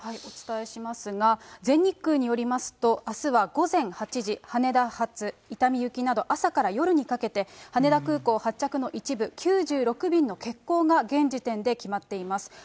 お伝えしますが、全日空によりますと、あすは午前８時、羽田発伊丹行きなど、朝から夜にかけて、羽田空港発着の一部、９６便の欠航が現時点で決まっています。